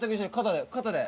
肩で。